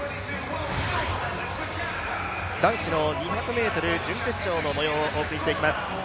男子の２００ｍ準決勝の模様をお送りしていきます。